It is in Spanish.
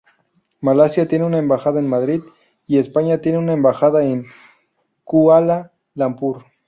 Malasia tiene una embajada en Madrid, y España tiene una embajada en Kuala Lumpur.